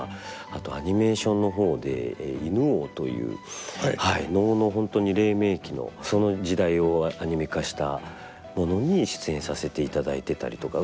あとアニメーションの方で「犬王」という能の本当に黎明期のその時代をアニメ化したものに出演させていただいてたりとか。